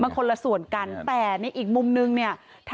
มันคนละส่วนกันแต่ในอีกมุมนึงเนี่ย